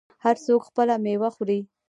هر څوک خپله میوه خوري.